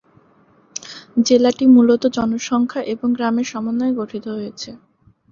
জেলাটি মূলত জনসংখ্যা এবং গ্রামের সমন্বয়ে গঠিত হয়েছে।